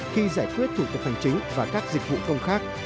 khi giải quyết thủ tục hành chính và các dịch vụ công khác